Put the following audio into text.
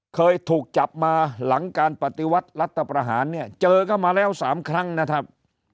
เคยถูกจับมาหลังการปฏิวัติรัฐประหารเนี่ยเจอเข้ามาแล้ว๓ครั้งนะครับ